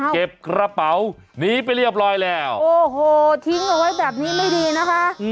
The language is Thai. เก็บกระเป๋าหนีไปเรียบร้อยแล้วโอ้โหทิ้งเอาไว้แบบนี้ไม่ดีนะคะ